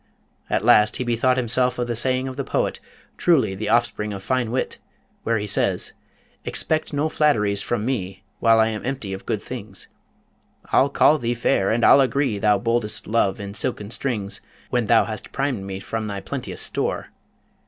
At last he bethought himself of the saying of the poet, truly the offspring of fine wit, where he says: Expect no flatteries from me, While I am empty of good things; I'll call thee fair, and I'll agree Thou boldest Love in silken strings, When thou bast primed me from thy plenteous store!